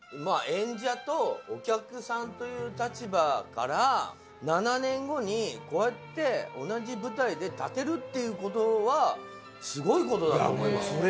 演者とお客さんという立場から７年後にこうやって同じ舞台で立てるってことはすごいことだと思います。